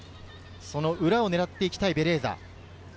その裏を狙っていきたいベレーザ。